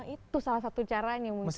itu salah satu caranya mungkin ya mbak uci